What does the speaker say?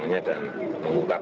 jalan jalan itu sedikit